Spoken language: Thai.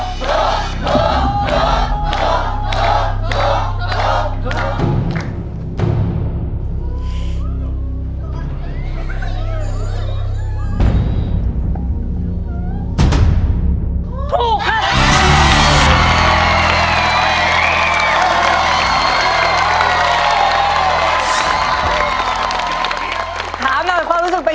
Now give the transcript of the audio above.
ถามหน่อยความรู้สึกเป็นอย่างไรโล่งไหม